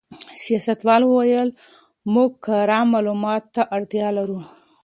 سیاستوال وویل چې موږ کره معلوماتو ته اړتیا لرو.